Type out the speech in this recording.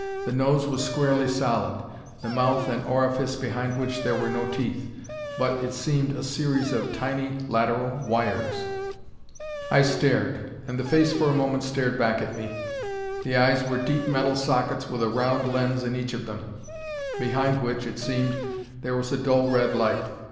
The nose was squarely solid, the mouth an orifice behind which there were no teeth but, it seemed, a series of tiny lateral wires. I stared; and the face for a moment stared back at me. The eyes were deep metal sockets with a round lens in each of them, behind which, it seemed, there was a dull red light.